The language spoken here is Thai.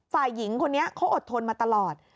ฝ่ายหญิงคนนี้เขาอดทนมาตลอด